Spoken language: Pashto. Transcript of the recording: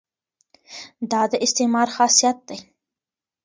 دا د استعمار خاصیت دی.